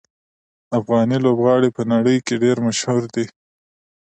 افغاني لوبغاړي په نړۍ کې ډېر مشهور دي.